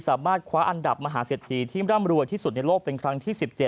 สามารถคว้าอันดับมหาเศรษฐีที่ร่ำรวยที่สุดในโลกเป็นครั้งที่๑๗